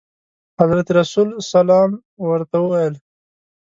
حضرت رسول صلعم ورته وویل.